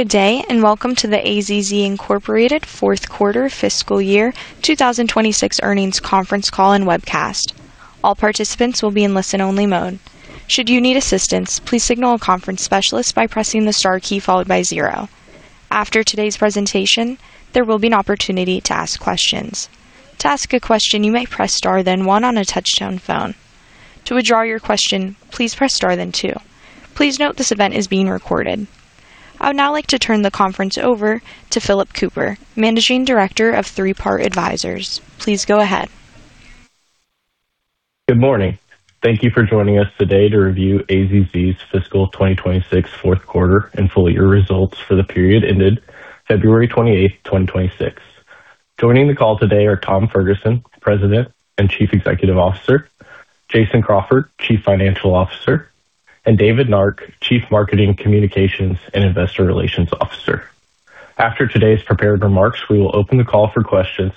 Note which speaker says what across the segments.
Speaker 1: Good day, and welcome to the AZZ Inc. fourth quarter fiscal year 2026 earnings conference call and webcast. All participants will be in listen-only mode. Should you need assistance, please signal a conference specialist by pressing the star key followed by zero. After today's presentation, there will be an opportunity to ask questions. To ask a question, you may press star then one on a touch-tone phone. To withdraw your question, please press star then two. Please note this event is being recorded. I would now like to turn the conference over to Phillip Kupper, Managing Director of Three Part Advisors. Please go ahead.
Speaker 2: Good morning. Thank you for joining us today to review AZZ's fiscal 2026 fourth quarter and full year results for the period ended February 28th, 2026. Joining the call today are Tom Ferguson, President and Chief Executive Officer, Jason Crawford, Chief Financial Officer, and David Nark, Chief Marketing, Communications and Investor Relations Officer. After today's prepared remarks, we will open the call for questions.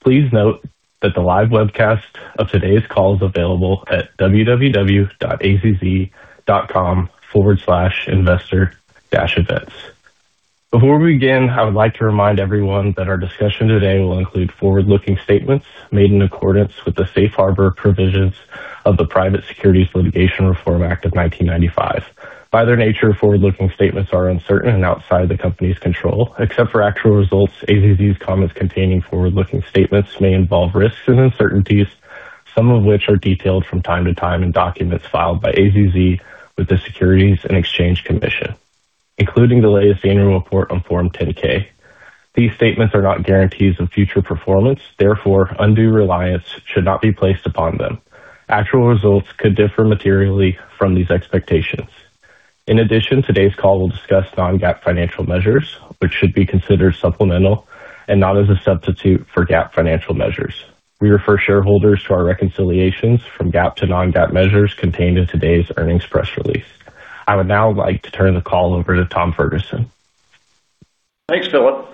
Speaker 2: Please note that the live webcast of today's call is available at www.azz.com/investor-events. Before we begin, I would like to remind everyone that our discussion today will include forward-looking statements made in accordance with the safe harbor provisions of the Private Securities Litigation Reform Act of 1995. By their nature, forward-looking statements are uncertain and outside of the company's control. Except for actual results, AZZ's comments containing forward-looking statements may involve risks and uncertainties, some of which are detailed from time to time in documents filed by AZZ with the Securities and Exchange Commission, including the latest annual report on Form 10-K. These statements are not guarantees of future performance, therefore, undue reliance should not be placed upon them. Actual results could differ materially from these expectations. In addition, today's call will discuss non-GAAP financial measures, which should be considered supplemental and not as a substitute for GAAP financial measures. We refer shareholders to our reconciliations from GAAP to non-GAAP measures contained in today's earnings press release. I would now like to turn the call over to Tom Ferguson.
Speaker 3: Thanks, Phillip.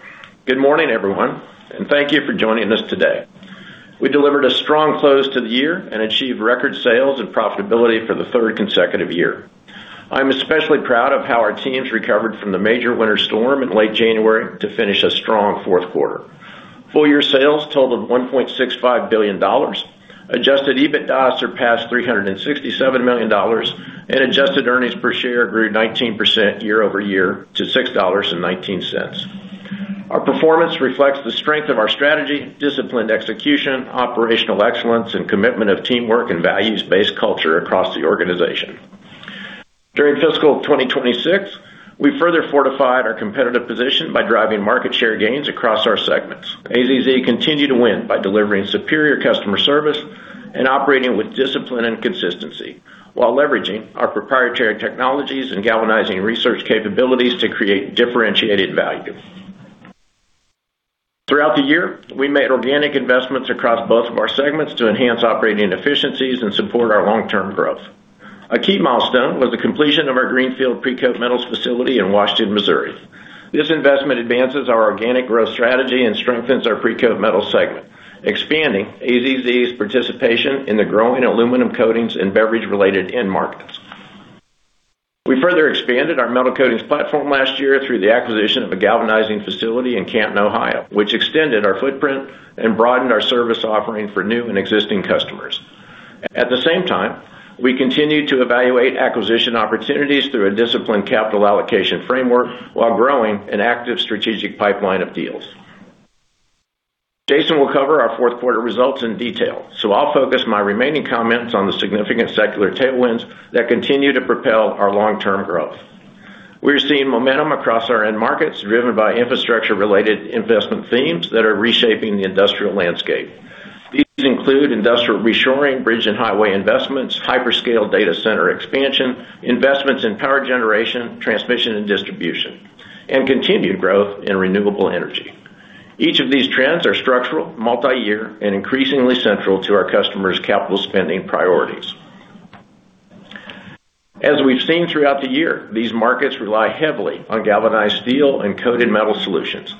Speaker 3: Good morning, everyone, and thank you for joining us today. We delivered a strong close to the year and achieved record sales and profitability for the third consecutive year. I'm especially proud of how our teams recovered from the major winter storm in late January to finish a strong fourth quarter. Full year sales totaled $1.65 billion. Adjusted EBITDA surpassed $367 million. Adjusted earnings per share grew 19% year-over-year to $6.19. Our performance reflects the strength of our strategy, disciplined execution, operational excellence, and commitment of teamwork and values-based culture across the organization. During fiscal 2026, we further fortified our competitive position by driving market share gains across our segments. AZZ continued to win by delivering superior customer service and operating with discipline and consistency, while leveraging our proprietary technologies and galvanizing research capabilities to create differentiated value. Throughout the year, we made organic investments across both of our segments to enhance operating efficiencies and support our long-term growth. A key milestone was the completion of our greenfield Precoat Metals facility in Washington, Missouri. This investment advances our organic growth strategy and strengthens our Precoat Metals segment, expanding AZZ's participation in the growing aluminum coatings and beverage-related end markets. We further expanded our metal coatings platform last year through the acquisition of a galvanizing facility in Canton, Ohio, which extended our footprint and broadened our service offering for new and existing customers. At the same time, we continued to evaluate acquisition opportunities through a disciplined capital allocation framework while growing an active strategic pipeline of deals. Jason will cover our fourth quarter results in detail, so I'll focus my remaining comments on the significant secular tailwinds that continue to propel our long-term growth. We are seeing momentum across our end markets driven by infrastructure-related investment themes that are reshaping the industrial landscape. These include industrial reshoring, bridge and highway investments, hyperscale data center expansion, investments in power generation, transmission, and distribution, and continued growth in renewable energy. Each of these trends are structural, multi-year, and increasingly central to our customers' capital spending priorities. As we've seen throughout the year, these markets rely heavily on galvanized steel and coated metal solutions,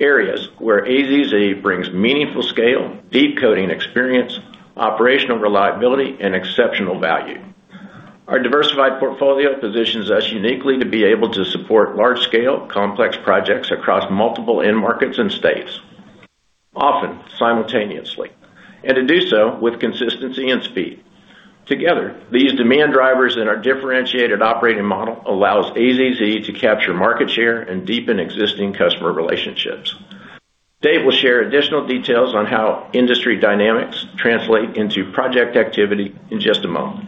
Speaker 3: areas where AZZ brings meaningful scale, deep coating experience, operational reliability, and exceptional value. Our diversified portfolio positions us uniquely to be able to support large-scale, complex projects across multiple end markets and states, often simultaneously, and to do so with consistency and speed. Together, these demand drivers and our differentiated operating model allows AZZ to capture market share and deepen existing customer relationships. Dave will share additional details on how industry dynamics translate into project activity in just a moment.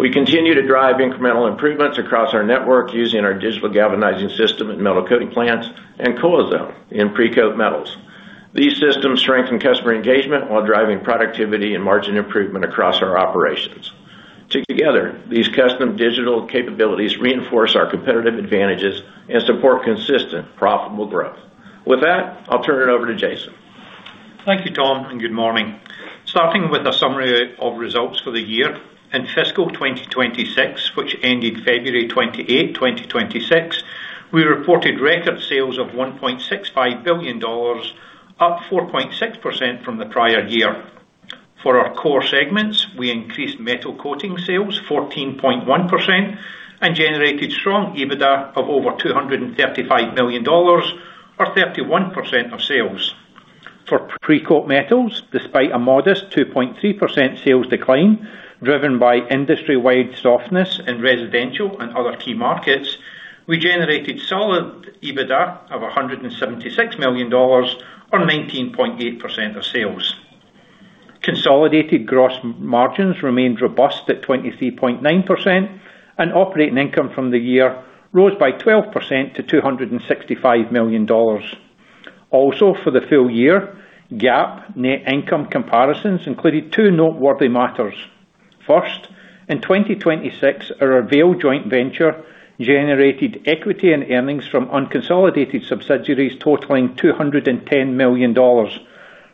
Speaker 3: We continue to drive incremental improvements across our network using our Digital Galvanizing System at metal coating plants and CoilZone in Precoat Metals. These systems strengthen customer engagement while driving productivity and margin improvement across our operations. Together, these custom digital capabilities reinforce our competitive advantages and support consistent, profitable growth. With that, I'll turn it over to Jason.
Speaker 4: Thank you, Tom, and good morning. Starting with a summary of results for the year in fiscal 2026, which ended February 28th, 2026, we reported record sales of $1.65 billion, up 4.6% from the prior year. For our core segments, we increased metal coatings sales 14.1% and generated strong EBITDA of over $235 million or 31% of sales. For Precoat Metals, despite a modest 2.3% sales decline driven by industry-wide softness in residential and other key markets, we generated solid EBITDA of $176 million or 19.8% of sales. Consolidated gross margins remained robust at 23.9% and operating income from the year rose by 12% to $265 million. Also, for the full year, GAAP net income comparisons included two noteworthy matters. First, in 2026, our Avail joint venture generated equity in earnings from unconsolidated subsidiaries totaling $210 million,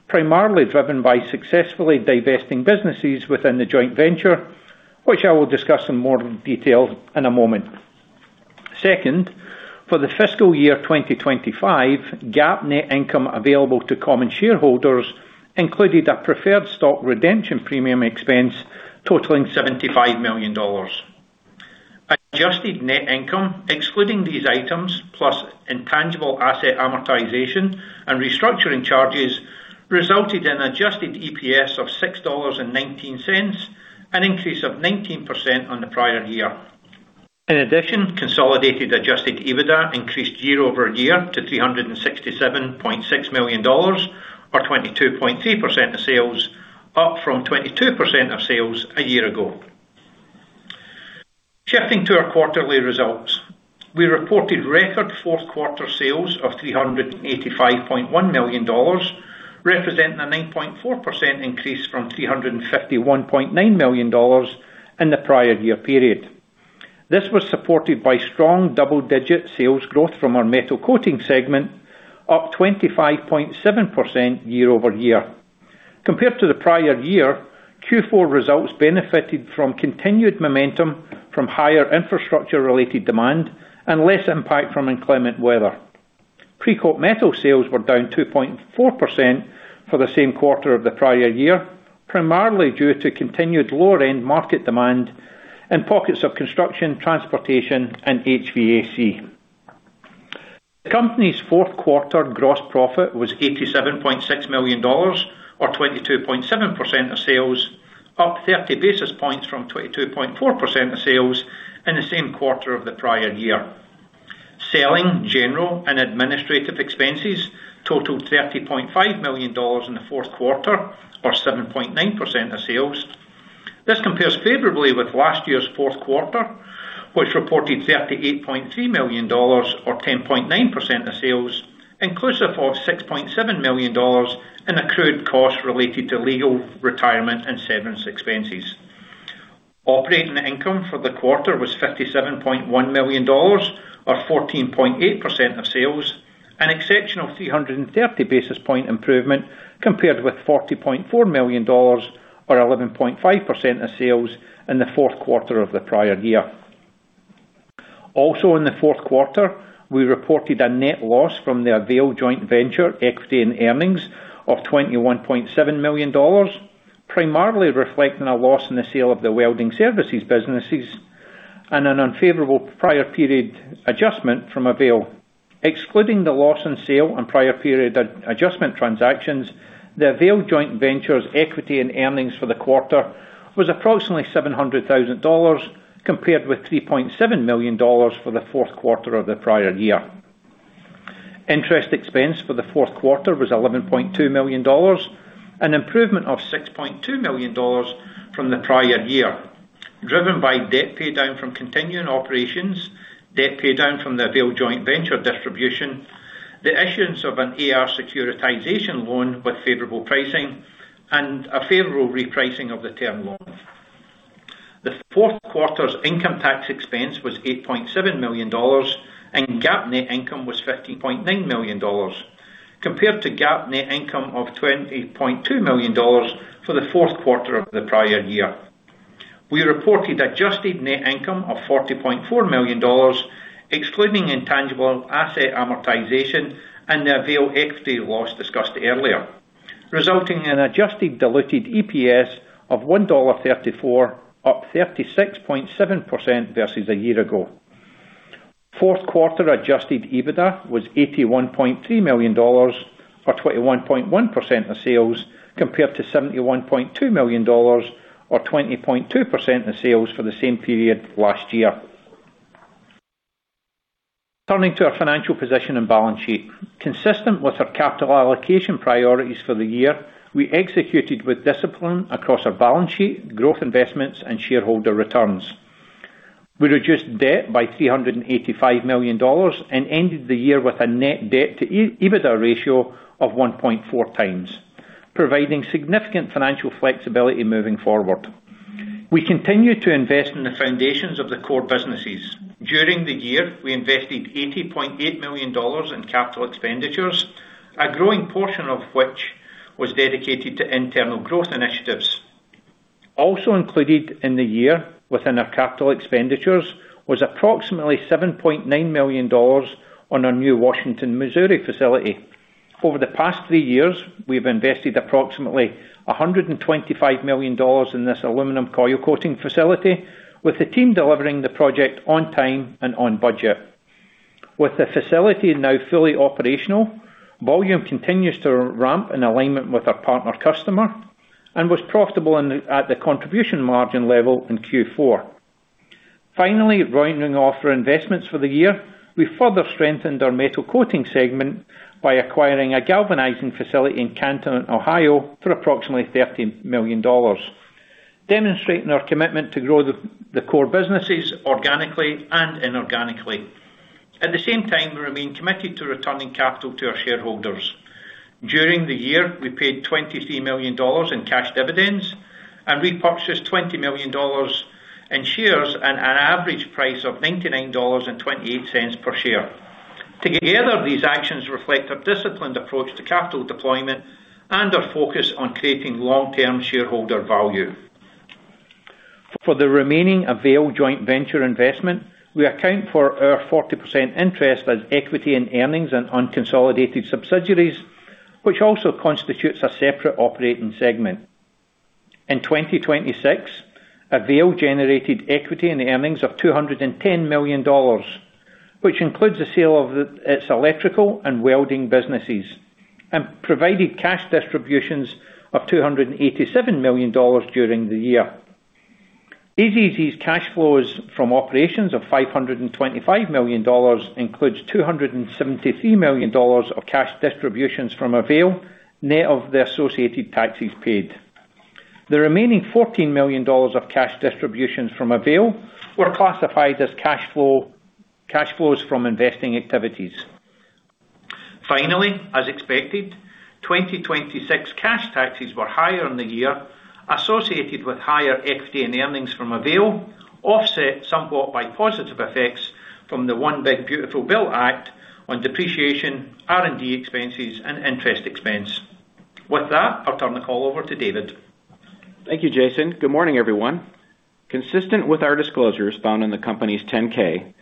Speaker 4: primarily driven by successfully divesting businesses within the joint venture, which I will discuss in more detail in a moment. Second, for the fiscal year 2025, GAAP net income available to common shareholders included a preferred stock redemption premium expense totaling $75 million. Adjusted net income, excluding these items, plus intangible asset amortization and restructuring charges, resulted in adjusted EPS of $6.19, an increase of 19% on the prior year. In addition, consolidated adjusted EBITDA increased year-over-year to $367.6 million or 22.3% of sales, up from 22% of sales a year ago. Shifting to our quarterly results. We reported record fourth quarter sales of $385.1 million, representing a 9.4% increase from $351.9 million in the prior year period. This was supported by strong double-digit sales growth from our metal coatings segment, up 25.7% year-over-year. Compared to the prior year, Q4 results benefited from continued momentum from higher infrastructure-related demand and less impact from inclement weather. Precoat Metals sales were down 2.4% for the same quarter of the prior year, primarily due to continued lower-end market demand in pockets of construction, transportation and HVAC. The company's fourth quarter gross profit was $87.6 million or 22.7% of sales, up 30 basis points from 22.4% of sales in the same quarter of the prior year. Selling, general and administrative expenses totaled $30.5 million in the fourth quarter or 7.9% of sales. This compares favorably with last year's fourth quarter, which reported $38.3 million or 10.9% of sales, inclusive of $6.7 million in accrued costs related to legal, retirement, and severance expenses. Operating income for the quarter was $57.1 million or 14.8% of sales, an exceptional 330 basis point improvement compared with $40.4 million or 11.5% of sales in the fourth quarter of the prior year. Also in the fourth quarter, we reported a net loss from the Avail joint venture equity and earnings of $21.7 million, primarily reflecting a loss in the sale of the welding services businesses and an unfavorable prior period adjustment from Avail. Excluding the loss on sale and prior period adjustment transactions, the Avail joint venture's equity and earnings for the quarter was approximately $700,000, compared with $3.7 million for the fourth quarter of the prior year. Interest expense for the fourth quarter was $11.2 million, an improvement of $6.2 million from the prior year, driven by debt paydown from continuing operations, debt paydown from the Avail joint venture distribution, the issuance of an AR securitization loan with favorable pricing, and a favorable repricing of the term loan. The fourth quarter's income tax expense was $8.7 million, and GAAP net income was $15.9 million, compared to GAAP net income of $20.2 million for the fourth quarter of the prior year. We reported adjusted net income of $40.4 million, excluding intangible asset amortization and the Avail equity loss discussed earlier, resulting in adjusted diluted EPS of $1.34, up 36.7% versus a year ago. Fourth quarter adjusted EBITDA was $81.3 million or 21.1% of sales, compared to $71.2 million or 20.2% of sales for the same period last year. Turning to our financial position and balance sheet. Consistent with our capital allocation priorities for the year, we executed with discipline across our balance sheet, growth investments and shareholder returns. We reduced debt by $385 million and ended the year with a net debt to EBITDA ratio of 1.4x, providing significant financial flexibility moving forward. We continue to invest in the foundations of the core businesses. During the year, we invested $80.8 million in capital expenditures, a growing portion of which was dedicated to internal growth initiatives. Also included in the year within our capital expenditures was approximately $7.9 million on our new Washington, Missouri facility. Over the past three years, we've invested approximately $125 million in this aluminum coil coating facility, with the team delivering the project on time and on budget. With the facility now fully operational, volume continues to ramp in alignment with our partner customer, and was profitable at the contribution margin level in Q4. Finally, rounding off our investments for the year, we further strengthened our metal coating segment by acquiring a galvanizing facility in Canton, Ohio, for approximately $30 million, demonstrating our commitment to grow the core businesses organically and inorganically. At the same time, we remain committed to returning capital to our shareholders. During the year, we paid $23 million in cash dividends, and repurchased $20 million in shares at an average price of $99.28 per share. Together, these actions reflect our disciplined approach to capital deployment and our focus on creating long-term shareholder value. For the remaining Avail joint venture investment, we account for our 40% interest as equity in earnings and unconsolidated subsidiaries, which also constitutes a separate operating segment. In 2026, Avail generated equity in earnings of $210 million, which includes the sale of its electrical and welding businesses, and provided cash distributions of $287 million during the year. AZZ's cash flows from operations of $525 million includes $273 million of cash distributions from Avail, net of the associated taxes paid. The remaining $14 million of cash distributions from Avail were classified as cash flows from investing activities. Finally, as expected, 2026 cash taxes were higher in the year, associated with higher equity in earnings from Avail, offset somewhat by positive effects from the One Big Beautiful Bill Act on depreciation, R&D expenses, and interest expense. With that, I'll turn the call over to David.
Speaker 5: Thank you, Jason. Good morning, everyone. Consistent with our disclosures found in the company's 10-K,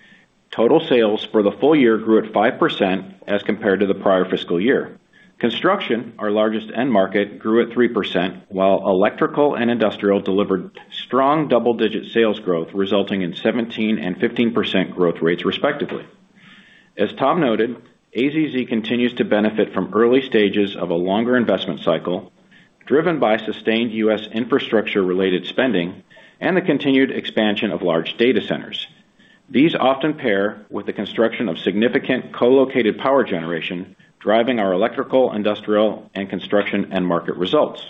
Speaker 5: total sales for the full year grew at 5% as compared to the prior fiscal year. Construction, our largest end market, grew at 3%, while electrical and industrial delivered strong double-digit sales growth, resulting in 17% and 15% growth rates respectively. As Tom noted, AZZ continues to benefit from early stages of a longer investment cycle, driven by sustained U.S. infrastructure-related spending and the continued expansion of large data centers. These often pair with the construction of significant co-located power generation, driving our electrical, industrial, and construction end market results.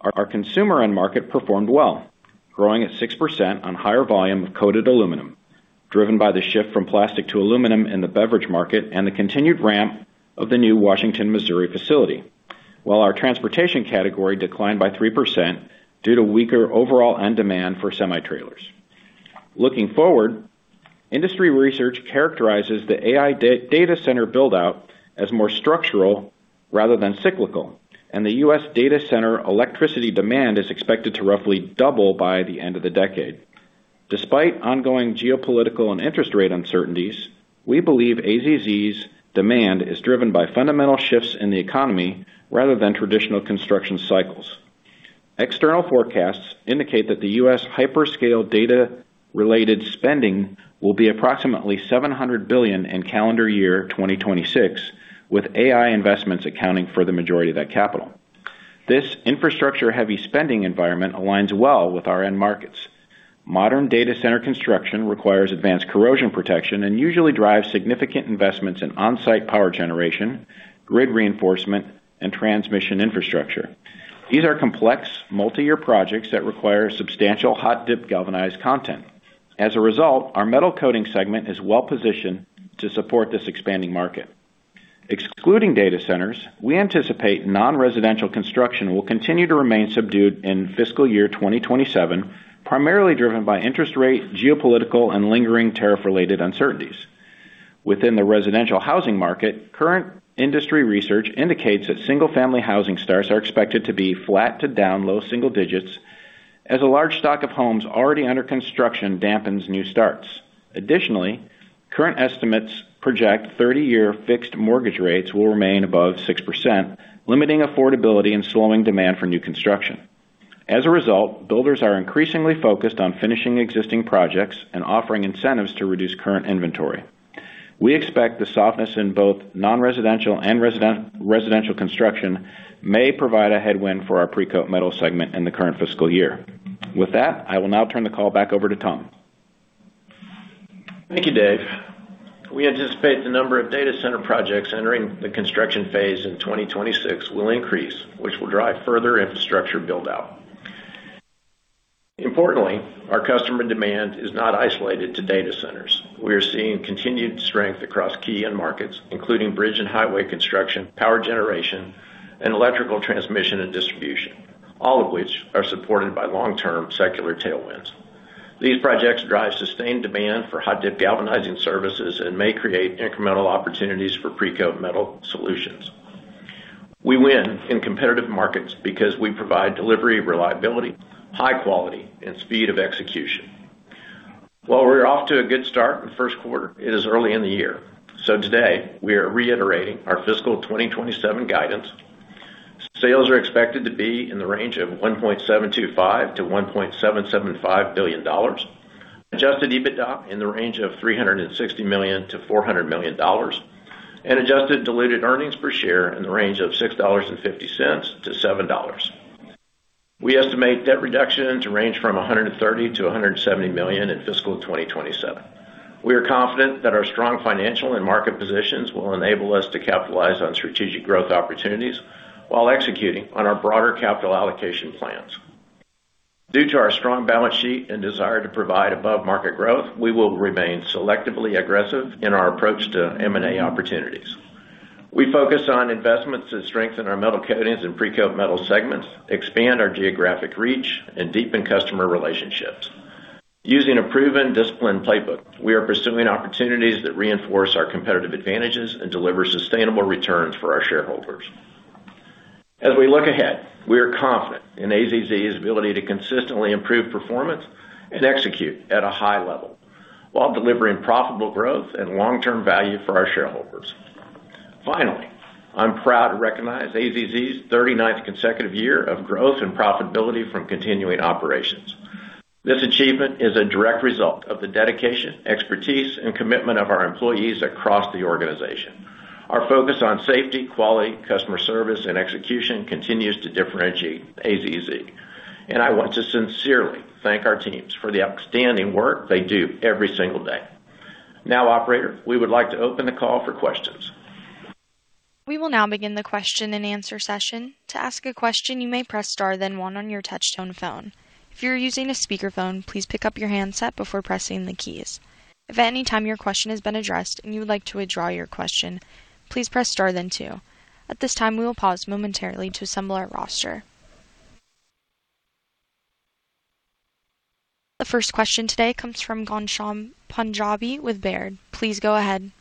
Speaker 5: Our consumer end market performed well, growing at 6% on higher volume of coated aluminum, driven by the shift from plastic to aluminum in the beverage market and the continued ramp of the new Washington, Missouri facility. While our transportation category declined by 3% due to weaker overall end demand for semi-trailers. Looking forward, industry research characterizes the AI data center build-out as more structural rather than cyclical, and the U.S. data center electricity demand is expected to roughly double by the end of the decade. Despite ongoing geopolitical and interest rate uncertainties, we believe AZZ's demand is driven by fundamental shifts in the economy rather than traditional construction cycles. External forecasts indicate that the U.S. hyperscale data-related spending will be approximately $700 billion in calendar year 2026, with AI investments accounting for the majority of that capital. This infrastructure-heavy spending environment aligns well with our end markets. Modern data center construction requires advanced corrosion protection and usually drives significant investments in on-site power generation, grid reinforcement, and transmission infrastructure. These are complex, multi-year projects that require substantial hot-dip galvanized content. As a result, our metal coating segment is well-positioned to support this expanding market. Excluding data centers, we anticipate non-residential construction will continue to remain subdued in fiscal year 2027, primarily driven by interest rate, geopolitical, and lingering tariff-related uncertainties. Within the residential housing market, current industry research indicates that single-family housing starts are expected to be flat to down low single digits as a large stock of homes already under construction dampens new starts. Additionally, current estimates project 30-year fixed mortgage rates will remain above 6%, limiting affordability and slowing demand for new construction. As a result, builders are increasingly focused on finishing existing projects and offering incentives to reduce current inventory. We expect the softness in both non-residential and residential construction may provide a headwind for our Precoat Metals segment in the current fiscal year. With that, I will now turn the call back over to Tom.
Speaker 3: Thank you, Dave. We anticipate the number of data center projects entering the construction phase in 2026 will increase, which will drive further infrastructure build-out. Importantly, our customer demand is not isolated to data centers. We are seeing continued strength across key end markets, including bridge and highway construction, power generation, and electrical transmission and distribution, all of which are supported by long-term secular tailwinds. These projects drive sustained demand for hot-dip galvanizing services and may create incremental opportunities for Precoat metal solutions. We win in competitive markets because we provide delivery, reliability, high quality, and speed of execution. While we're off to a good start in the first quarter, it is early in the year. Today, we are reiterating our fiscal 2027 guidance. Sales are expected to be in the range of $1.725 billion-$1.775 billion, adjusted EBITDA in the range of $360 million-$400 million, and adjusted diluted earnings per share in the range of $6.50-$7. We estimate debt reduction to range from $130 million-$170 million in fiscal 2027. We are confident that our strong financial and market positions will enable us to capitalize on strategic growth opportunities while executing on our broader capital allocation plans. Due to our strong balance sheet and desire to provide above-market growth, we will remain selectively aggressive in our approach to M&A opportunities. We focus on investments that strengthen our metal coatings and pre-coat metal segments, expand our geographic reach, and deepen customer relationships. Using a proven disciplined playbook, we are pursuing opportunities that reinforce our competitive advantages and deliver sustainable returns for our shareholders. As we look ahead, we are confident in AZZ's ability to consistently improve performance and execute at a high level, while delivering profitable growth and long-term value for our shareholders. Finally, I'm proud to recognize AZZ's 39th consecutive year of growth and profitability from continuing operations. This achievement is a direct result of the dedication, expertise, and commitment of our employees across the organization. Our focus on safety, quality, customer service, and execution continues to differentiate AZZ, and I want to sincerely thank our teams for the outstanding work they do every single day. Now, operator, we would like to open the call for questions.
Speaker 1: We will now begin the Q&A session. To ask a question, you may press star, then one on your touchtone phone. If you're using a speakerphone, please pick up your handset before pressing the keys. If at any time your question has been addressed and you would like to withdraw your question, please press star then two. At this time, we will pause momentarily to assemble our roster. The first question today comes from Ghansham Panjabi with Baird. Please go ahead.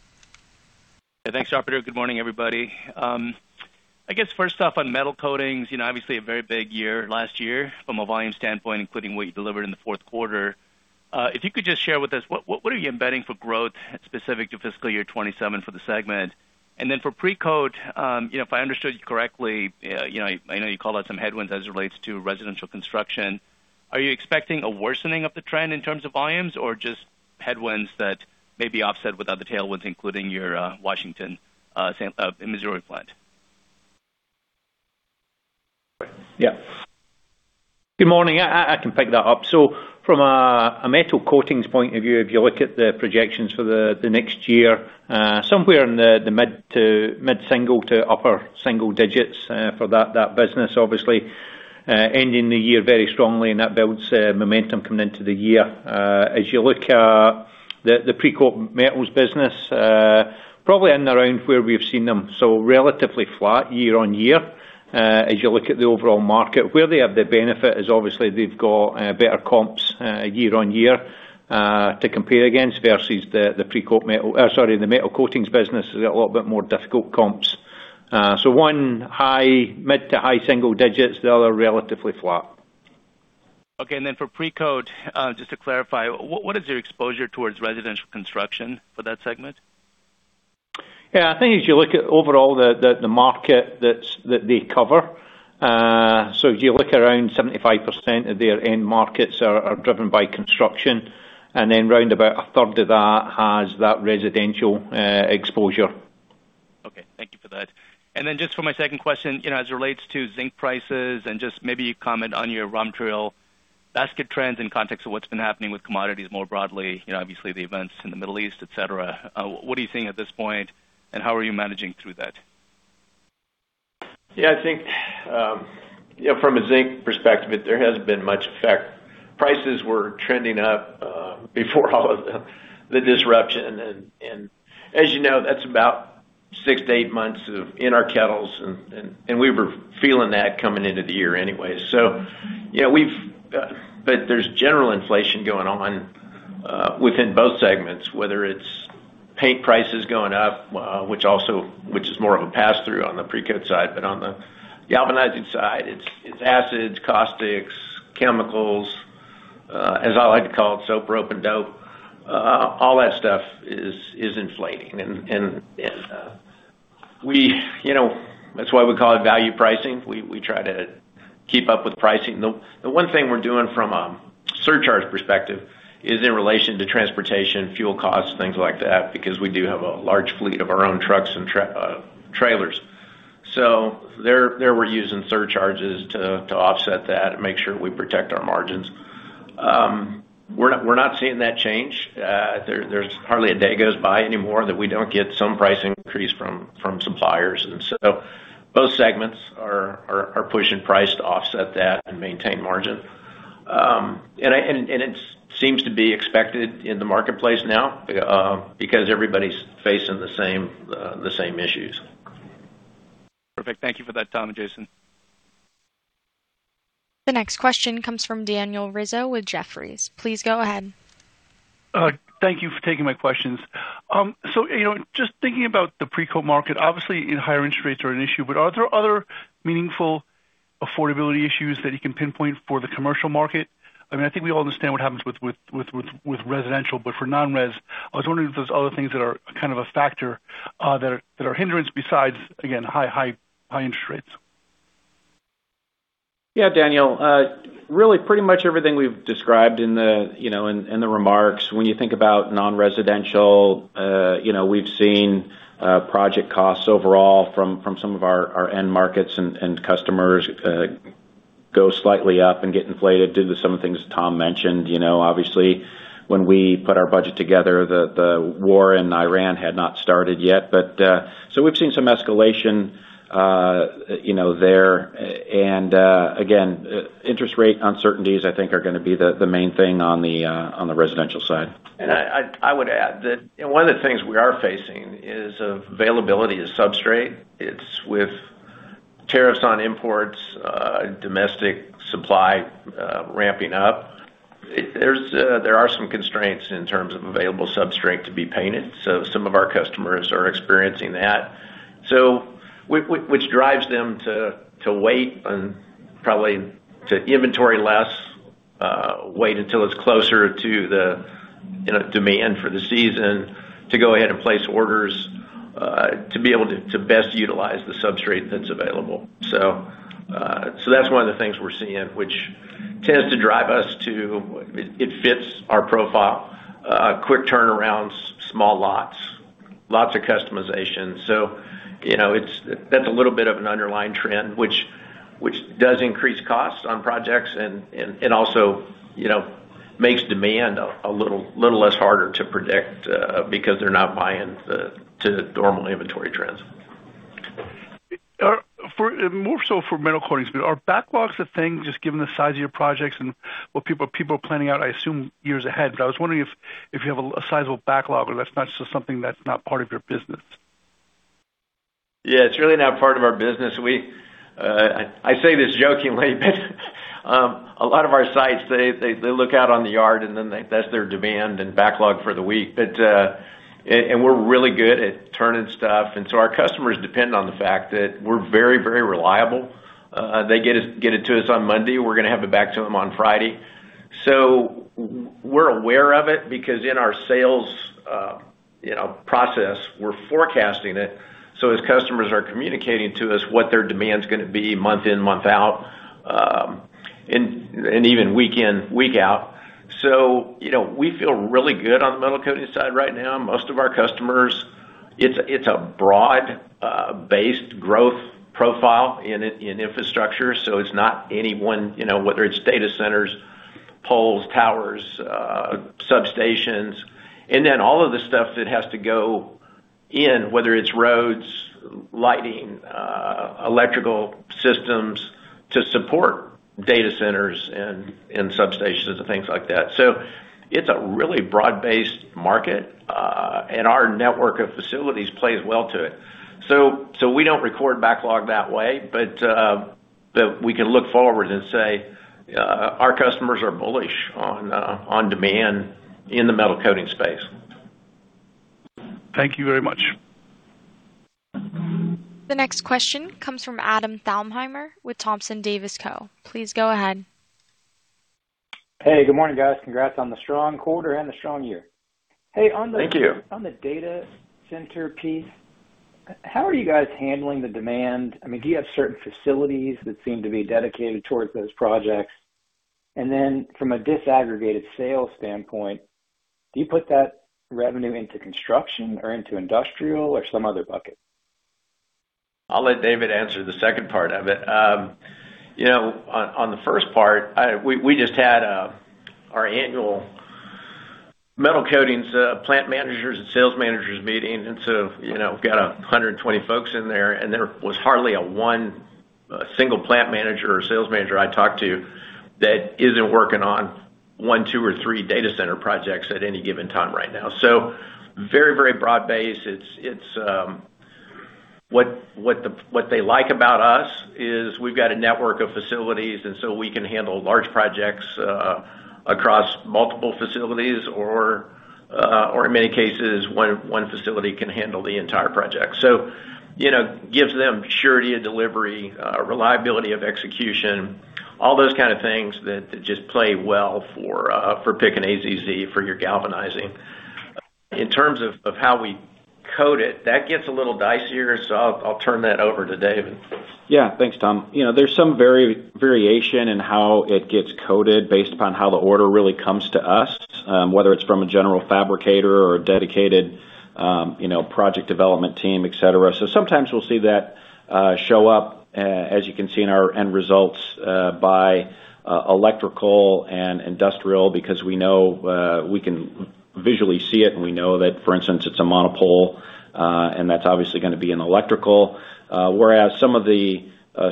Speaker 6: Thanks, operator. Good morning, everybody. I guess first off, on metal coatings, obviously a very big year last year from a volume standpoint, including what you delivered in the fourth quarter. If you could just share with us, what are you embedding for growth specific to fiscal year 2027 for the segment? For Precoat, if I understood you correctly, I know you called out some headwinds as it relates to residential construction. Are you expecting a worsening of the trend in terms of volumes or just headwinds that may be offset with other tailwinds, including your Washington and Missouri plant?
Speaker 3: Yeah. Good morning. I can pick that up. From a metal coatings point of view, if you look at the projections for the next year, somewhere in the mid-single- to upper-single-digit for that business. Obviously, ending the year very strongly, and that builds momentum coming into the year. As you look at the Precoat Metals business, probably in around where we've seen them, so relatively flat year-over-year. As you look at the overall market, where they have the benefit is obviously they've got better comps year-over-year to compare against versus the metal coatings business has got a little bit more difficult comps. One mid- to high-single-digit, the other relatively flat.
Speaker 6: Okay, for Precoat, just to clarify, what is your exposure towards residential construction for that segment?
Speaker 3: Yeah, I think if you look at overall the market that they cover. If you look around 75% of their end markets are driven by construction, and then round about a third of that has that residential exposure.
Speaker 6: Okay, thank you for that. Just for my second question, as it relates to zinc prices and just maybe you comment on your raw material basket trends in context of what's been happening with commodities more broadly, obviously the events in the Middle East, et cetera. What are you seeing at this point, and how are you managing through that?
Speaker 3: Yeah, I think from a zinc perspective, there hasn't been much effect. Prices were trending up before all of the disruption, and as you know, that's about six-eight months in our kettles, and we were feeling that coming into the year anyway. There's general inflation going on within both segments, whether it's paint prices going up, which is more of a pass-through on the pre-coat side, but on the galvanizing side, it's acids, caustics, chemicals. As I like to call it, soap, rope, and dope. All that stuff is inflating. That's why we call it value pricing. We try to keep up with pricing. The one thing we're doing from a surcharge perspective is in relation to transportation, fuel costs, things like that, because we do have a large fleet of our own trucks and trailers. There we're using surcharges to offset that and make sure we protect our margins. We're not seeing that change. There's hardly a day goes by anymore that we don't get some price increase from suppliers, and so both segments are pushing price to offset that and maintain margin. It seems to be expected in the marketplace now, because everybody's facing the same issues.
Speaker 6: Perfect. Thank you for that, Tom and Jason.
Speaker 1: The next question comes from Daniel Rizzo with Jefferies. Please go ahead.
Speaker 7: Thank you for taking my questions. Just thinking about the Precoat market, obviously higher interest rates are an issue, but are there other meaningful affordability issues that you can pinpoint for the commercial market? I think we all understand what happens with residential, but for non-res, I was wondering if there's other things that are kind of a factor that are a hindrance besides, again, high interest rates?
Speaker 5: Yeah, Daniel. Really pretty much everything we've described in the remarks. When you think about non-residential, we've seen project costs overall from some of our end markets and customers go slightly up and get inflated due to some of the things Tom mentioned. Obviously, when we put our budget together, the war in Ukraine had not started yet. We've seen some escalation there, and again, interest rate uncertainties, I think, are going to be the main thing on the residential side.
Speaker 3: I would add that one of the things we are facing is availability of substrate. It's with tariffs on imports, domestic supply ramping up. There are some constraints in terms of available substrate to be painted. Some of our customers are experiencing that. Which drives them to wait and probably to inventory less, wait until it's closer to the demand for the season to go ahead and place orders, to be able to best utilize the substrate that's available. That's one of the things we're seeing, which tends to drive us to it fits our profile. Quick turnarounds, small lots of customization. That's a little bit of an underlying trend, which does increase costs on projects and also makes demand a little less harder to predict, because they're not buying to the normal inventory trends.
Speaker 7: More so for metal coatings, are backlogs a thing, just given the size of your projects and what people are planning out, I assume years ahead, but I was wondering if you have a sizable backlog or is that not something that's part of your business.
Speaker 3: Yeah, it's really not part of our business. I say this jokingly, but a lot of our sites, they look out on the yard, and then that's their demand and backlog for the week. We're really good at turning stuff, and so our customers depend on the fact that we're very, very reliable. They get it to us on Monday, we're gonna have it back to them on Friday. We're aware of it because in our sales process, we're forecasting it. As customers are communicating to us what their demand's gonna be month in, month out, and even week in, week out. We feel really good on the metal coatings side right now. Most of our customers, it's a broad-based growth profile in infrastructure, so it's not any one, whether it's data centers, poles, towers, substations. All of the stuff that has to go in, whether it's roads, lighting, electrical systems to support data centers and substations and things like that. It's a really broad-based market, and our network of facilities plays well to it. We don't record backlog that way. We can look forward and say, our customers are bullish on demand in the metal coating space.
Speaker 7: Thank you very much.
Speaker 1: The next question comes from Adam Thalhimer with Thompson Davis & Co. Please go ahead.
Speaker 8: Hey, good morning, guys. Congrats on the strong quarter and the strong year.
Speaker 3: Thank you.
Speaker 8: Hey, on the data center piece, how are you guys handling the demand? Do you have certain facilities that seem to be dedicated towards those projects? From a disaggregated sales standpoint, do you put that revenue into construction or into industrial or some other bucket?
Speaker 3: I'll let David answer the second part of it. On the first part, we just had our annual metal coatings plant managers and sales managers meeting. We've got 120 folks in there, and there was hardly a one, single plant manager or sales manager I talked to that isn't working on one, two or three data center projects at any given time right now. Very, very broad-based. What they like about us is we've got a network of facilities, and so we can handle large projects across multiple facilities or, in many cases, one facility can handle the entire project. It gives them surety of delivery, reliability of execution, all those kind of things that just play well for picky and AZZ for your galvanizing. In terms of how we code it, that gets a little dicier, so I'll turn that over to David.
Speaker 5: Yeah, thanks, Tom. There's some variation in how it gets coded based upon how the order really comes to us, whether it's from a general fabricator or a dedicated project development team, et cetera. So sometimes we'll see that show up, as you can see in our end results, by electrical and industrial, because we know we can visually see it, and we know that, for instance, it's a monopole, and that's obviously going to be in Electrical. Whereas some of the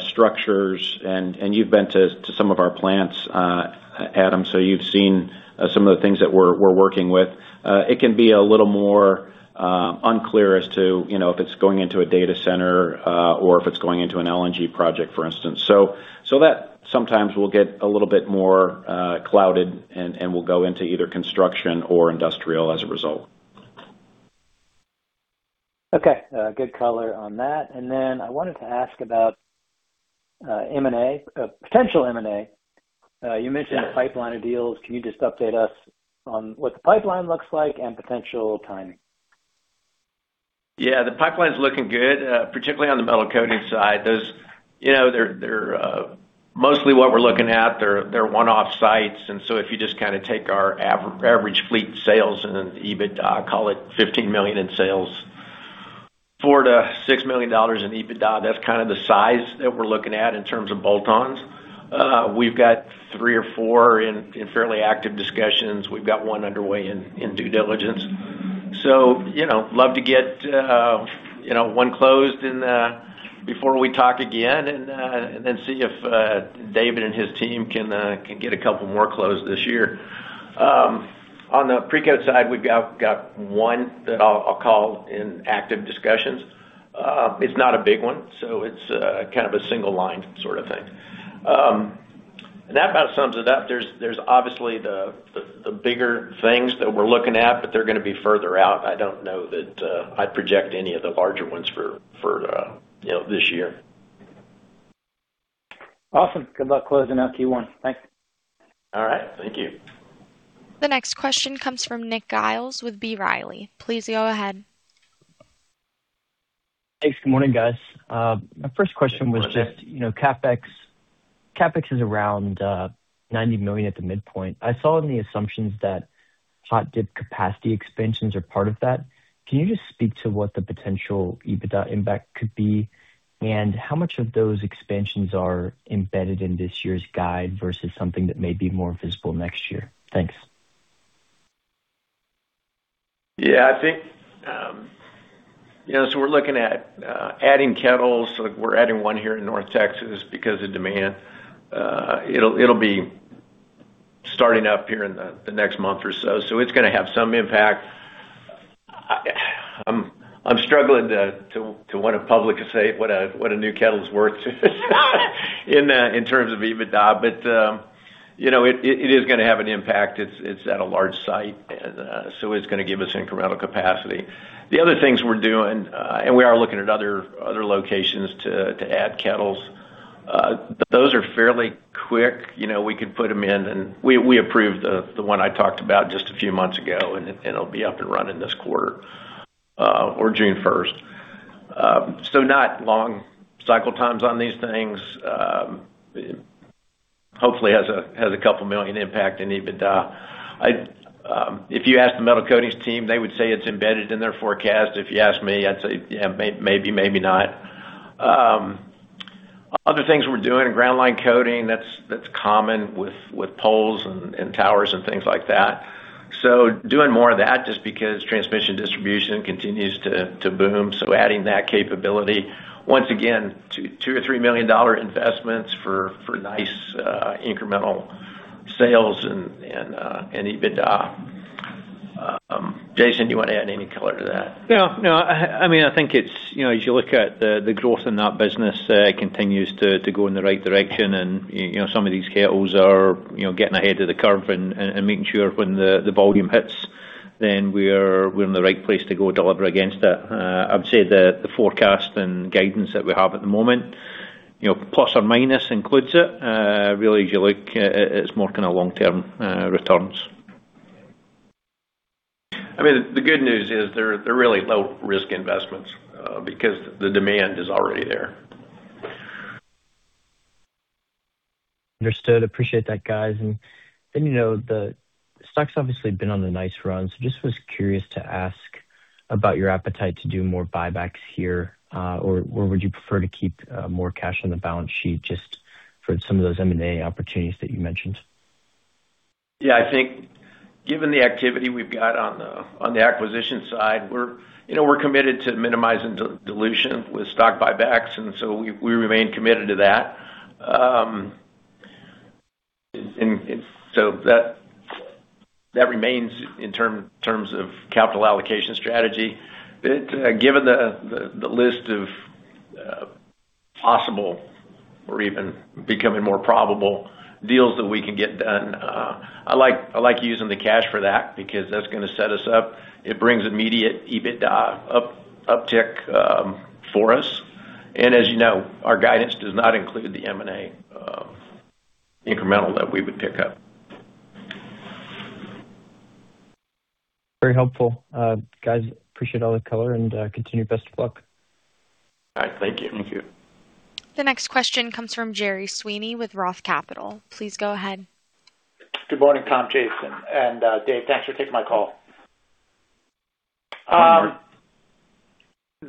Speaker 5: structures, and you've been to some of our plants, Adam, so you've seen some of the things that we're working with. It can be a little more unclear as to if it's going into a data center or if it's going into an LNG project, for instance. That sometimes will get a little bit more clouded, and will go into either Construction or Industrial as a result.
Speaker 8: Okay. Good color on that. I wanted to ask about M&A. Potential M&A.
Speaker 3: Yeah.
Speaker 8: You mentioned a pipeline of deals. Can you just update us on what the pipeline looks like and potential timing?
Speaker 3: Yeah, the pipeline's looking good, particularly on the metal coatings side. Mostly what we're looking at, they're one-off sites, and so if you just take our average fleet sales and then EBITDA, call it $15 million in sales, $4 million-$6 million in EBITDA, that's kind of the size that we're looking at in terms of bolt-ons. We've got three or four in fairly active discussions. We've got one underway in due diligence. Love to get one closed before we talk again, and then see if David and his team can get a couple more closed this year. On the Precoat side, we've got one that I'll call in active discussions. It's not a big one, so it's kind of a single line sort of thing. That about sums it up. There's obviously the bigger things that we're looking at, but they're going to be further out. I don't know that I'd project any of the larger ones for this year.
Speaker 8: Awesome. Good luck closing out Q1. Thanks.
Speaker 3: All right. Thank you.
Speaker 1: The next question comes from Nick Giles with B. Riley. Please go ahead.
Speaker 9: Thanks. Good morning, guys. My first question was just, CapEx is around $90 million at the midpoint. I saw in the assumptions that hot-dip capacity expansions are part of that. Can you just speak to what the potential EBITDA impact could be? How much of those expansions are embedded in this year's guide versus something that may be more visible next year? Thanks.
Speaker 3: Yeah. We're looking at adding kettles. We're adding one here in North Texas because of demand. It'll be starting up here in the next month or so. It's going to have some impact. I'm struggling to want to publicly say what a new kettle is worth in terms of EBITDA. It is going to have an impact. It's at a large site, so it's going to give us incremental capacity. The other things we're doing, and we are looking at other locations to add kettles, but those are fairly quick. We could put them in, and we approved the one I talked about just a few months ago, and it'll be up and running this quarter or June 1st. Not long cycle times on these things. Hopefully has a $2 million impact in EBITDA. If you ask the metal coatings team, they would say it's embedded in their forecast. If you ask me, I'd say, "Yeah, maybe not." Other things we're doing, ground line coating, that's common with poles and towers and things like that. Doing more of that just because transmission distribution continues to boom, so adding that capability. Once again, $2 or $3 million investments for nice incremental sales and EBITDA. Jason, you want to add any color to that?
Speaker 4: No. I think as you look at the growth in that business, it continues to go in the right direction, and some of these kettles are getting ahead of the curve and making sure when the volume hits, then we're in the right place to go deliver against it. I'd say the forecast and guidance that we have at the moment, plus or minus includes it. Really, as you look, it's more kind of long-term returns.
Speaker 3: The good news is they're really low-risk investments because the demand is already there.
Speaker 9: Understood. I appreciate that, guys. The stock's obviously been on the nice run, so I just was curious to ask about your appetite to do more buybacks here. Would you prefer to keep more cash on the balance sheet just for some of those M&A opportunities that you mentioned?
Speaker 3: Yeah, I think given the activity we've got on the acquisition side, we're committed to minimizing dilution with stock buybacks, and so we remain committed to that. That remains in terms of capital allocation strategy. Given the list of possible or even becoming more probable deals that we can get done, I like using the cash for that because that's going to set us up. It brings immediate EBITDA uptick for us. As you know, our guidance does not include the M&A incremental that we would pick up.
Speaker 9: Very helpful. Guys, appreciate all the color and continued best of luck.
Speaker 3: All right. Thank you.
Speaker 4: Thank you.
Speaker 1: The next question comes from Gerry Sweeney with ROTH Capital. Please go ahead.
Speaker 10: Good morning, Tom, Jason, and Dave. Thanks for taking my call.
Speaker 3: Good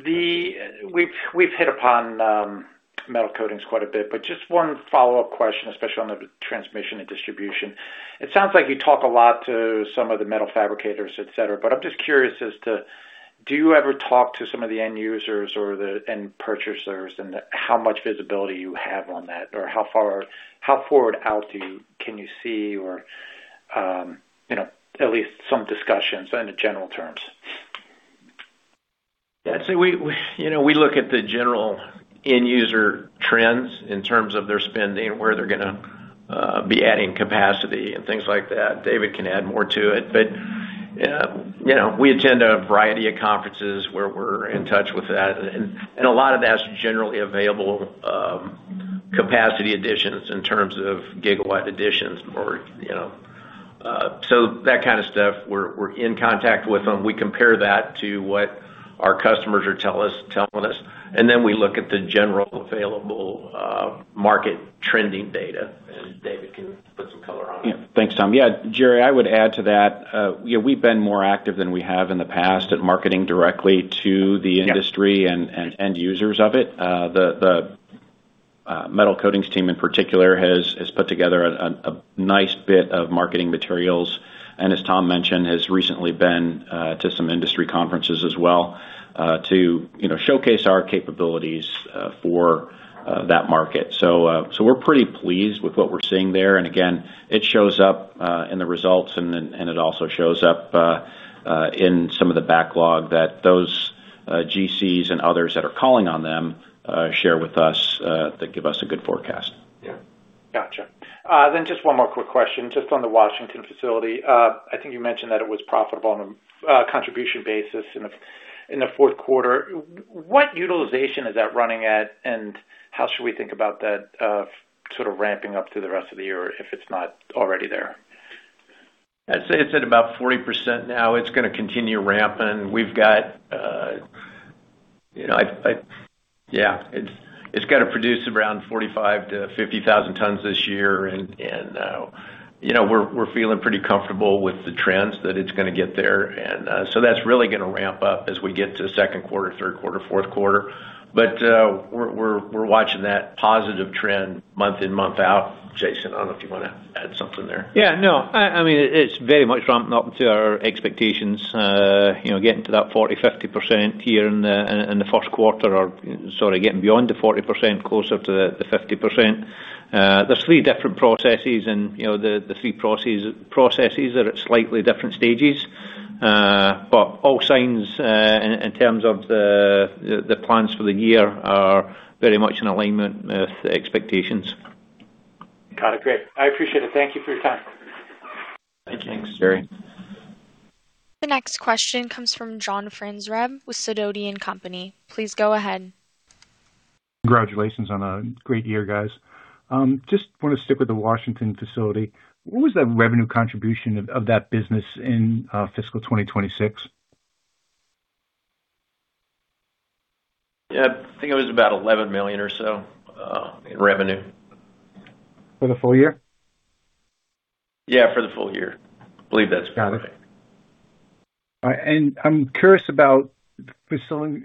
Speaker 3: morning.
Speaker 10: We've hit upon metal coatings quite a bit, but just one follow-up question, especially on the transmission and distribution. It sounds like you talk a lot to some of the metal fabricators, et cetera, but I'm just curious as to, do you ever talk to some of the end users or the end purchasers, and how much visibility you have on that, or how far out can you see or at least some discussions in the general terms?
Speaker 3: Yeah. We look at the general end-user trends in terms of their spending, where they're going to be adding capacity and things like that. David can add more to it, but we attend a variety of conferences where we're in touch with that, and a lot of that's generally available capacity additions in terms of gigawatt additions. That kind of stuff, we're in contact with them. We compare that to what our customers are telling us, and then we look at the general available market trending data, and David can put some color on it.
Speaker 5: Yeah. Thanks, Tom. Yeah. Gerry, I would add to that. We've been more active than we have in the past at marketing directly to the industry and end users of it. The Metal Coatings team in particular has put together a nice bit of marketing materials, and as Tom mentioned, has recently been to some industry conferences as well to showcase our capabilities for that market. We're pretty pleased with what we're seeing there. It shows up in the results, and it also shows up in some of the backlog that those GCs and others that are calling on them share with us that give us a good forecast.
Speaker 3: Yeah.
Speaker 10: Got you. Just one more quick question, just on the Washington facility. I think you mentioned that it was profitable on a contribution basis in the fourth quarter. What utilization is that running at, and how should we think about that sort of ramping up through the rest of the year if it's not already there?
Speaker 3: I'd say it's at about 40% now. It's going to continue ramping. It's going to produce around 45,000-50,000 tons this year, and we're feeling pretty comfortable with the trends that it's gonna get there. That's really gonna ramp up as we get to second quarter, third quarter, fourth quarter. We're watching that positive trend month in, month out. Jason, I don't know if you want to add something there.
Speaker 4: Yeah, no. It's very much ramping up to our expectations. Getting beyond the 40%, closer to the 50%. There's three different processes and the three processes are at slightly different stages. All signs in terms of the plans for the year are very much in alignment with the expectations.
Speaker 10: Got it. Great. I appreciate it. Thank you for your time.
Speaker 4: Thank you.
Speaker 5: Thanks, Gerry.
Speaker 1: The next question comes from John Franzreb with Sidoti & Company. Please go ahead.
Speaker 11: Congratulations on a great year, guys. Just want to stick with the Washington facility. What was the revenue contribution of that business in fiscal 2026?
Speaker 3: Yeah. I think it was about $11 million or so in revenue.
Speaker 11: For the full year?
Speaker 3: Yeah, for the full year. Believe that's correct.
Speaker 11: Got it. All right. I'm curious about filling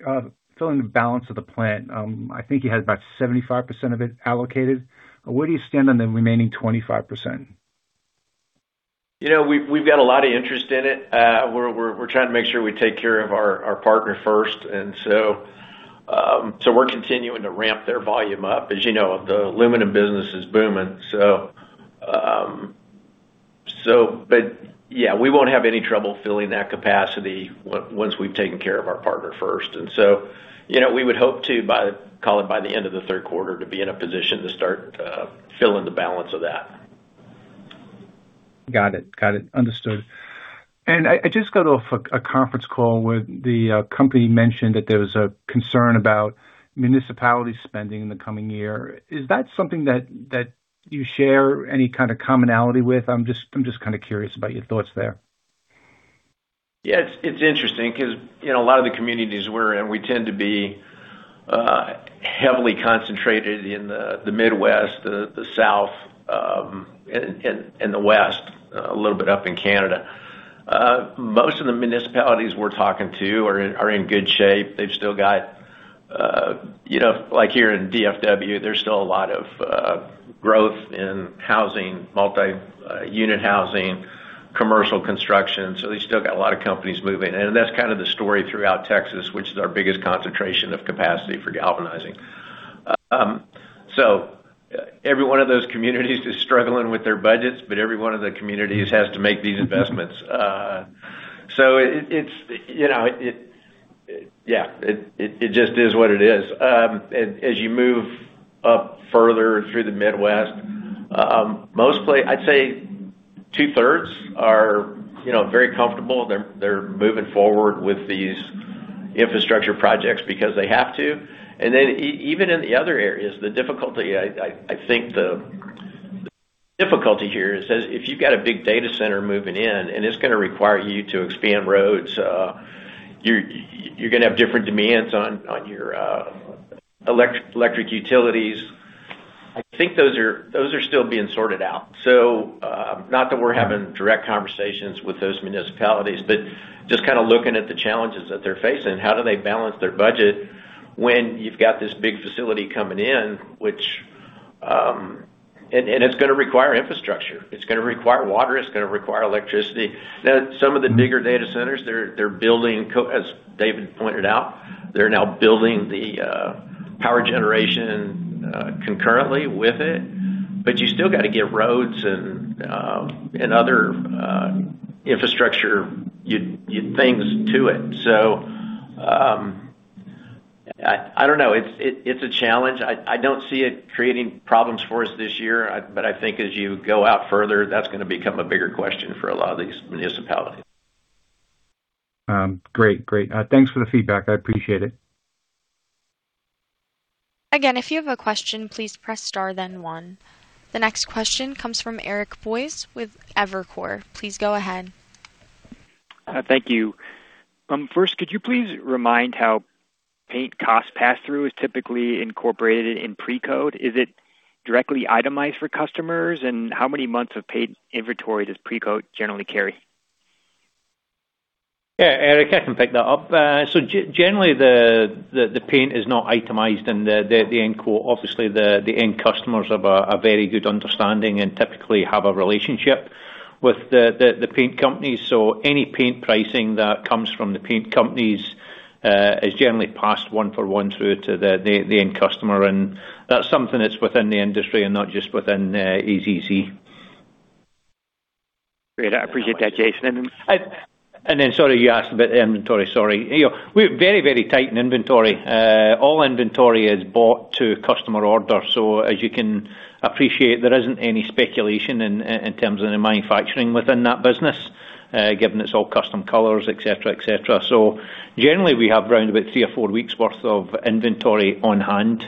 Speaker 11: the balance of the plant. I think you had about 75% of it allocated. Where do you stand on the remaining 25%?
Speaker 3: We've got a lot of interest in it. We're trying to make sure we take care of our partner first. We're continuing to ramp their volume up. As you know, the aluminum business is booming. Yeah, we won't have any trouble filling that capacity once we've taken care of our partner first. We would hope to, call it by the end of the third quarter, to be in a position to start filling the balance of that.
Speaker 11: Got it. Understood. I just got off a conference call where the company mentioned that there was a concern about municipality spending in the coming year. Is that something that you share any kind of commonality with? I'm just kind of curious about your thoughts there.
Speaker 3: Yeah. It's interesting because a lot of the communities we're in, we tend to be heavily concentrated in the Midwest, the South, and the West, a little bit up in Canada. Most of the municipalities we're talking to are in good shape. Like here in DFW, there's still a lot of growth in housing, multi-unit housing, commercial construction. They still got a lot of companies moving, and that's kind of the story throughout Texas, which is our biggest concentration of capacity for galvanizing. Every one of those communities is struggling with their budgets, but every one of the communities has to make these investments. It just is what it is. As you move up further through the Midwest, mostly, I'd say 2/3 are very comfortable. They're moving forward with these infrastructure projects because they have to. Even in the other areas, the difficulty, I think the difficulty here is if you've got a big data center moving in, and it's gonna require you to expand roads, you're gonna have different demands on your electric utilities. I think those are still being sorted out. Not that we're having direct conversations with those municipalities, but just kind of looking at the challenges that they're facing. How do they balance their budget when you've got this big facility coming in? It's going to require infrastructure, it's going to require water, it's going to require electricity. Now some of the bigger data centers they're building, as David pointed out, they're now building the power generation concurrently with it, but you still got to get roads and other infrastructure things to it. I don't know. It's a challenge. I don't see it creating problems for us this year, but I think as you go out further, that's going to become a bigger question for a lot of these municipalities.
Speaker 11: Great. Thanks for the feedback. I appreciate it.
Speaker 1: Again, if you have a question, please press star, then one. The next question comes from Eric Boyce with Evercore. Please go ahead.
Speaker 12: Thank you. First, could you please remind how paint cost passthrough is typically incorporated in Precoat? Is it directly itemized for customers? And how many months of paid inventory does Precoat generally carry?
Speaker 4: Yeah, Eric, I can pick that up. Generally, the paint is not itemized in the end quote. Obviously, the end customers have a very good understanding and typically have a relationship with the paint companies. Any paint pricing that comes from the paint companies is generally passed one for one through to the end customer. That's something that's within the industry and not just within AZZ.
Speaker 12: Great. I appreciate that, Jason.
Speaker 4: Sorry, you asked about the inventory, sorry. We're very tight on inventory. All inventory is bought to customer order. As you can appreciate, there isn't any speculation in terms of the manufacturing within that business, given it's all custom colors, et cetera. Generally, we have around about three or four weeks worth of inventory on hand.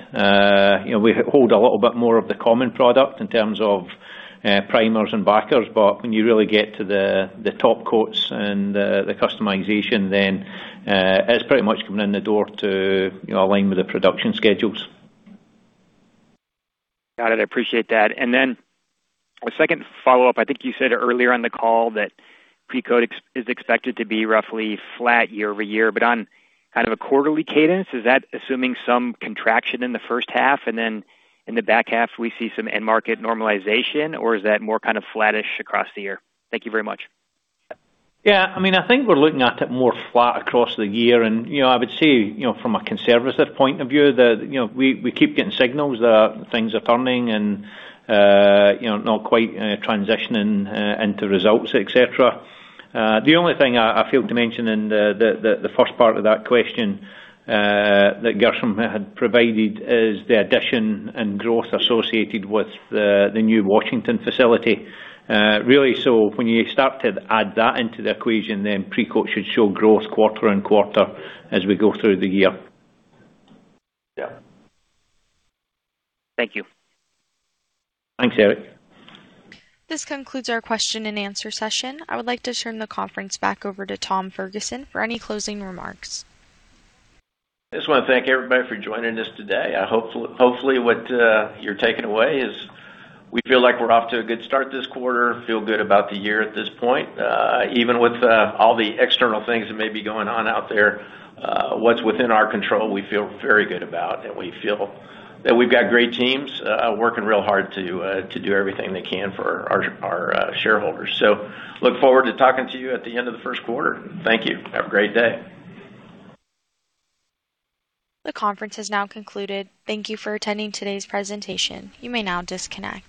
Speaker 4: We hold a little bit more of the common product in terms of primers and backers, but when you really get to the top coats and the customization, then it's pretty much coming in the door to align with the production schedules.
Speaker 12: Got it. I appreciate that. A second follow-up. I think you said earlier on the call that Precoat is expected to be roughly flat year-over-year, but on kind of a quarterly cadence, is that assuming some contraction in the first half and then in the back half we see some end market normalization, or is that more kind of flattish across the year? Thank you very much.
Speaker 4: Yeah. I think we're looking at it more flat across the year. I would say, from a conservative point of view, we keep getting signals that things are turning and not quite transitioning into results, et cetera. The only thing I failed to mention in the first part of that question, that Ghansham had provided, is the addition and growth associated with the new Washington facility. Really, when you start to add that into the equation, then Precoat should show growth quarter and quarter as we go through the year.
Speaker 12: Yeah. Thank you.
Speaker 4: Thanks, Eric.
Speaker 1: This concludes our Q&A session. I would like to turn the conference back over to Tom Ferguson for any closing remarks.
Speaker 3: I just want to thank everybody for joining us today. Hopefully what you're taking away is we feel like we're off to a good start this quarter. Feel good about the year at this point. Even with all the external things that may be going on out there, what's within our control, we feel very good about, and we feel that we've got great teams working real hard to do everything they can for our shareholders. Look forward to talking to you at the end of the first quarter. Thank you. Have a great day.
Speaker 1: The conference has now concluded. Thank you for attending today's presentation. You may now disconnect.